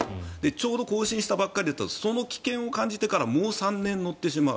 ちょうど更新したばかりだとその危険を感じてから３年乗ってしまう。